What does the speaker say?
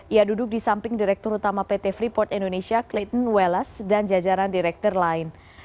ia duduk di samping direktur utama pt freeport indonesia clean welles dan jajaran direktur lain